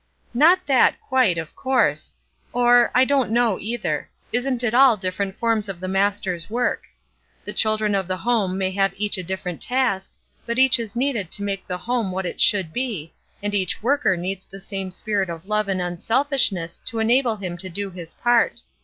"Not that, quite, of course, or, I don't know, either. Isn't it all different forms of the Master's work. The children of the home may have each a different task, but each is needed to make the home what it should be, and each worker needs the same spirit of love and unselfishness to enable him to do his part.